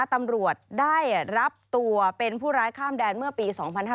ตำรวจได้รับตัวเป็นผู้ร้ายข้ามแดนเมื่อปี๒๕๕๙